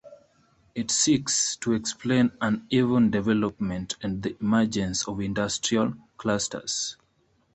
It seeks to explain uneven development and the emergence of industrial clusters.